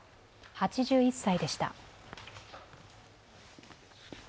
８１歳でした。